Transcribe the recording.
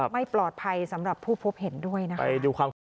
ไม่ปลอดภัยสำหรับผู้พบเห็นด้วยนะคะ